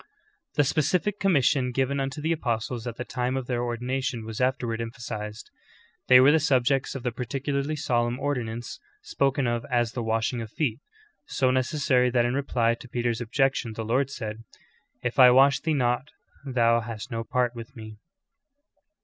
"^' 15. The specific commission given unto the apostles at the time of their ordination was afterward emphasized. They were the subjects of the particularly solemn ordinance spoken of as the washing of feet, so necessary that in reply to Peter's objection the Lord said: *Tf I wash thee not thou hast no part with me."'